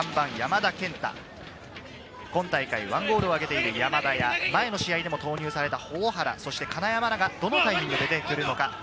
今大会、１ゴールを挙げている山田や、前の試合でも投入された保土原、金山らが、どのタイミングで出てくるのか。